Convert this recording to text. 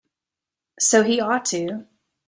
So he ought to.